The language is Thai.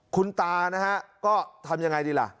คุณตานะฮะก็ทำยังไงดีล่ะ